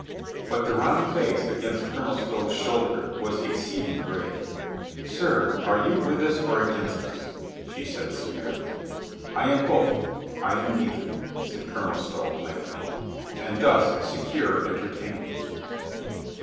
But the round face against Colonel Stow's shoul THE INSPIRATION OF COLONEL STOW 31 der was exceeding grave, "Sir, are you with us or against us ?" she said severely. "I am both. I am neither," said Colonel Stow blandly. "And thus secure entertainment."